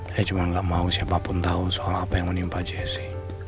saya cuma nggak mau siapapun tahu soal apa yang menimpa jese